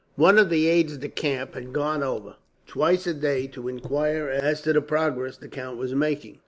One of the aides de camp had gone over, twice a day, to inquire as to the progress the count was making.